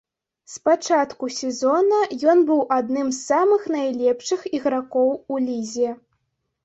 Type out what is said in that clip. З пачатку сезона ён быў адным з самых найлепшых ігракоў у лізе.